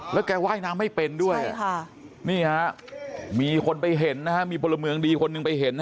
แล้วแกว่ายน้ำไม่เป็นด้วยนี่ฮะมีคนไปเห็นนะฮะมีพลเมืองดีคนหนึ่งไปเห็นนะ